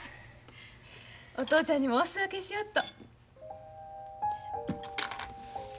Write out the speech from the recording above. お父ちゃんにもお裾分けしよっと。